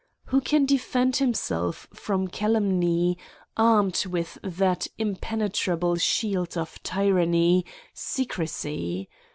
Who can defend himself from calumny., armed with that impenetrable shield of tyranny, secrecy?